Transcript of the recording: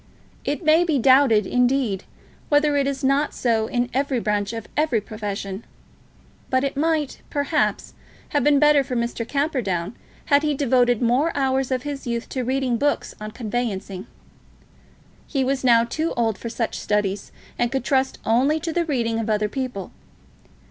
It may be doubted, indeed, whether it is not so in every branch of every profession. But it might, perhaps, have been better for Mr. Camperdown had he devoted more hours of his youth to reading books on conveyancing. He was now too old for such studies, and could trust only to the reading of other people.